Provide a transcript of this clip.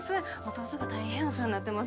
弟が大変お世話になってます